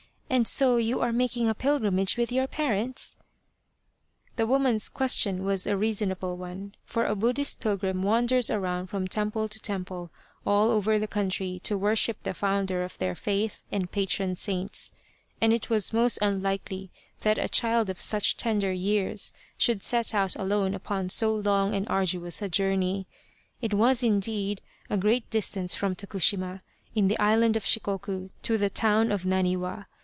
And so you are making a pilgrimage with your parents ?" The woman's question was a reasonable one, for a Buddhist pilgrim wanders around from temple to temple all over the country to worship the founder of their faith and patron saints, and it was most un likely that a child of such tender years should set out alone upon so long and arduous a journey. It was, indeed, a great distance from Tokushima, in the Island of Shikoku, to the town of Naniwa.